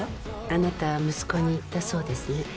あなた息子に言ったそうですね。